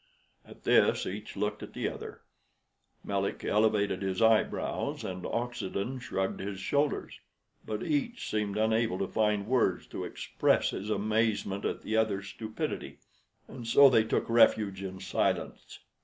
At this each looked at the other; Melick elevated his eyebrows, and Oxenden shrugged his shoulders, but each seemed unable to find words to express his amazement at the other's stupidity, and so they took refuge in silence.